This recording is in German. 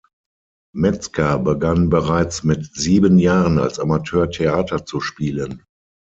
Metzger begann bereits mit sieben Jahren als Amateur Theater zu spielen.